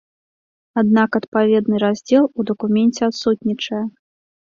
Аднак адпаведны раздзел у дакуменце адсутнічае.